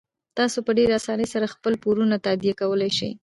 تاسو په ډیرې اسانۍ سره خپل پورونه تادیه کولی شئ.